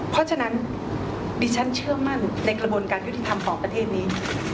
เพราะฉะนั้นดิฉันเชื่อมั่นในกระบวนการยุติธรรมของประเทศนี้